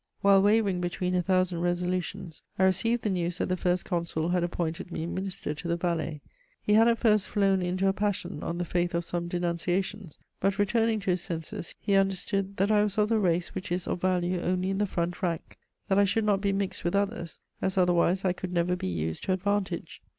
While wavering between a thousand resolutions, I received the news that the First Consul had appointed me Minister to the Valais. He had at first flown into a passion on the faith of some denunciations; but, returning to his senses, he understood that I was of the race which is of value only in the front rank, that I should not be mixed with others, as otherwise I could never be used to advantage.